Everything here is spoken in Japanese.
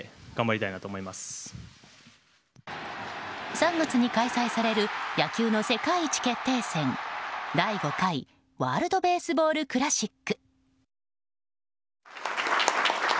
３月に開催される野球の世界一決定戦第５回ワールド・ベースボール・クラシック。